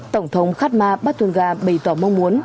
tổng thống khan ma bát tôn ga bày tỏ mong muốn